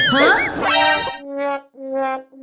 ห๊ะ